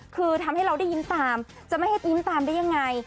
คือทำให้เราได้ยิ้มตามจะไม่ให้ยิ้มตามได้ยังไง